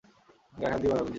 গায়ে হাত দিবানা, মির্জা।